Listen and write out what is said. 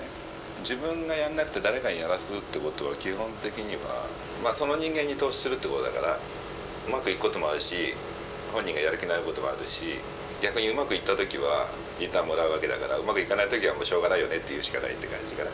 自分がやらなくて誰かにやらすってことは基本的にはその人間に投資するってことだからうまくいくこともあるし本人がやる気ないこともあるし逆にうまくいった時はリターンをもらうわけだからうまくいかない時はしょうがないよねって言うしかないって感じかな。